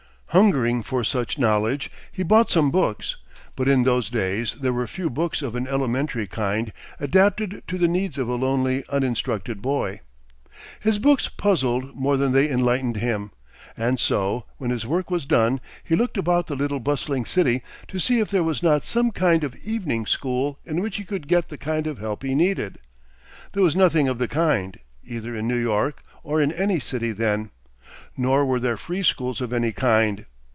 Hungering for such knowledge, he bought some books: but in those days there were few books of an elementary kind adapted to the needs of a lonely, uninstructed boy. His books puzzled more than they enlightened him; and so, when his work was done, he looked about the little bustling city to see if there was not some kind of evening school in which he could get the kind of help he needed. There was nothing of the kind, either in New York or in any city then. Nor were there free schools of any kind.